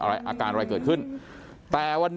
พี่สาวของเธอบอกว่ามันเกิดอะไรขึ้นกับพี่สาวของเธอ